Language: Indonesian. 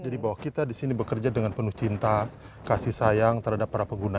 jadi bahwa kita di sini bekerja dengan penuh cinta kasih sayang terhadap para pengguna